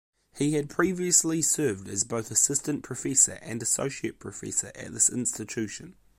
He had previously served as both assistant professor and associate professor at this institution.